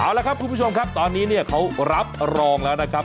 เอาละครับคุณผู้ชมครับตอนนี้เนี่ยเขารับรองแล้วนะครับ